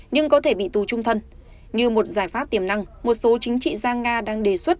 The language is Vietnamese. nhưng có thể bị tù trung thân như một giải pháp tiềm năng một số chính trị gia nga đang đề xuất